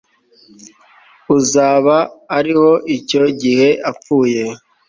uzaba ariho icyo gihe apfuye